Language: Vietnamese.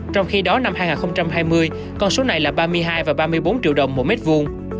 trong khi đó năm hai nghìn hai mươi con số này là ba mươi hai và ba mươi bốn triệu đồng mỗi mét vuông